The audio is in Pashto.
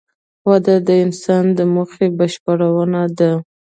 وده د انسان د موخې بشپړونه ده.